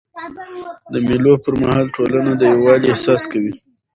د مېلو پر مهال ټولنه د یووالي احساس کوي.